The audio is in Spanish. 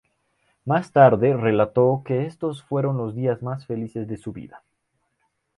Más tarde relató que estos fueron los días más felices de su vida.